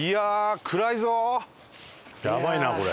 やばいなこれ。